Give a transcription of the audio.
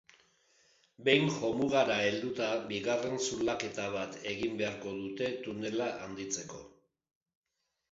Behin jomugara helduta bigarren zulaketa bat egin beharko dute tunela handitzeko.